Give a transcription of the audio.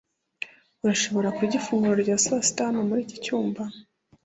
urashobora kurya ifunguro rya sasita hano muri iki cyumba